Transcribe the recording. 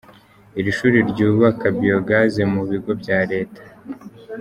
Iri shuri ryubaka biyogazi mu bigo bya Leta.